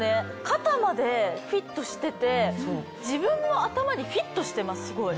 肩までフィットしてて自分の頭にフィットしてますすごい。